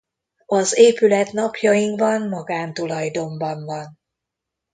Az épület napjainkban magántulajdonban van.